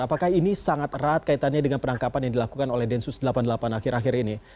apakah ini sangat erat kaitannya dengan penangkapan yang dilakukan oleh densus delapan puluh delapan akhir akhir ini